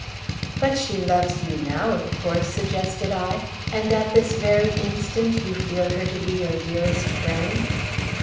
"But she loves you now, of course?" suggested I. "And at this very instant you feel her to be your dearest friend?"